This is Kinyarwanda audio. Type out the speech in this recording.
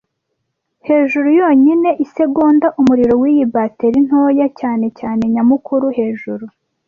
Hejuru yonyine isegonda umuriro wiyi bateri ntoya, cyane cyane nyamukuru-hejuru,